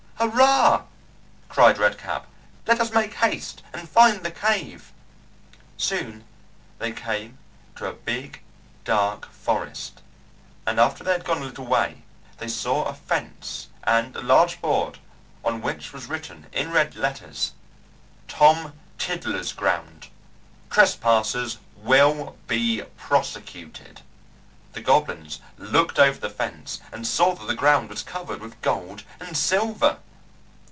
"Hurrah!" cried Red Cap. "Let us make haste and find the cave." Soon they came to a big dark forest, and after they had gone a little way they saw a fence and a large board on which was written in red letters, TOM TIDDLER'S GROUND TRESPASSERS WILL BE PROSECUTED. The goblins looked over the fence and saw that the ground was covered with gold and silver!